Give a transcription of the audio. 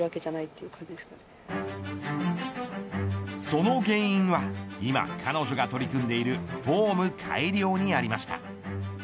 その原因は今、彼女が取り組んでいるフォーム改良にありました。